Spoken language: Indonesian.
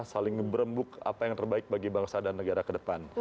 saling ngeberembuk apa yang terbaik bagi bangsa dan negara kedepan